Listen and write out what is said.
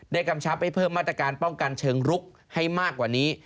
กำชับให้เพิ่มมาตรการป้องกันเชิงรุกให้มากกว่านี้